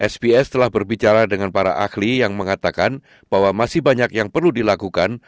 sps telah berbicara dengan para ahli yang mengatakan bahwa masih banyak yang perlu dilakukan